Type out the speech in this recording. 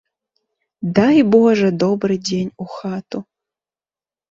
Дай божа добры дзень у хату.